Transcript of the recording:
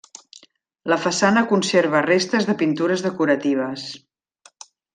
La façana conserva restes de pintures decoratives.